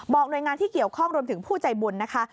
หน่วยงานที่เกี่ยวข้องรวมถึงผู้ใจบุญนะคะ